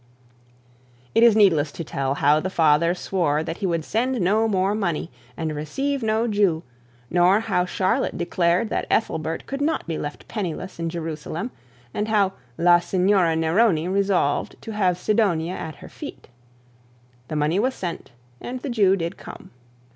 It is needless to tell how the father swore that he would send no more money and receive no Jew; nor how Charlotte declared that Ethelbert could not be left penniless in Jerusalem; and how 'La Signora Neroni' resolved to have Sidonia at her feet. The money was sent, and the Jew did come.